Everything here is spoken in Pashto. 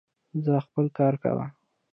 ځاا خپل کار کوه